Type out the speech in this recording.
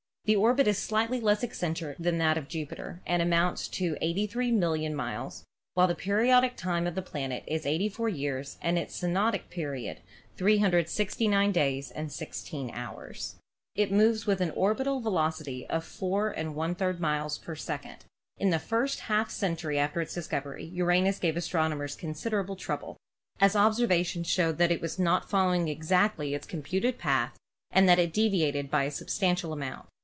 The orbit is slightly less ec centric than that of Jupiter and amounts to 83,000,000 miles, while the periodic time of the planet is 84 years and its synodic period 369 days and 16 hours. It moves with an orbital velocity of 4^ miles per second. In the first half century after its discovery Uranus gave astronomers con siderable trouble, as observations showed that it was not following exactly its computed path and that it deviated by a substantial amount.